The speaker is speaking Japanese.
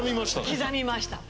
刻みました。